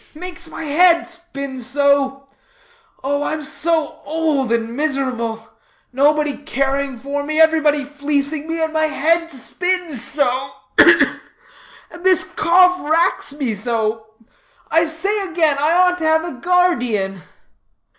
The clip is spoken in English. Makes my head spin so. Oh, I'm so old and miserable, nobody caring for me, everybody fleecing me, and my head spins so ugh, ugh! and this cough racks me so. I say again, I ought to have a guard_ee_an."